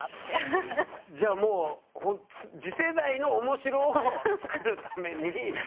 じゃあもうほんと次世代のおもしろを作るために。